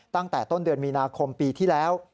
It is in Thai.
ตั้งแต่ต้นเดือนมีนาคมปีที่แล้ว